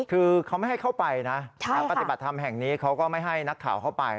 คือเขาไม่ให้เข้าไปนะปฏิบัติธรรมแห่งนี้เขาก็ไม่ให้นักข่าวเข้าไป